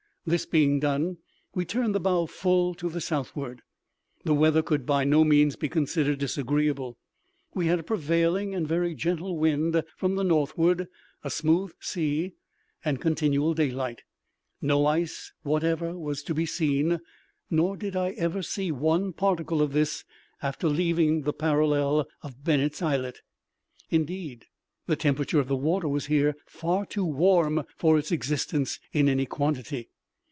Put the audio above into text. This being done, we turned the bow full to the southward. The weather could by no means be considered disagreeable. We had a prevailing and very gentle wind from the northward, a smooth sea, and continual daylight. No ice whatever was to be seen; _nor did I ever see one particle of this after leaving the parallel of Bennet's Islet._Indeed, the temperature of the water was here far too warm for its existence in any quantity.